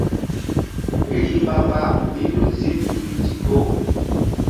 Rih mbamba mí ƴo zi nzukri ndikpo.